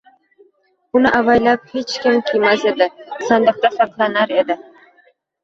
Uni avaylab, hech kim kiymas edi, sandiqda saqlanar edi.